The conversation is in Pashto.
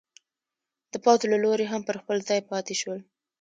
د پوځ له لوري هم پر خپل ځای پاتې شول.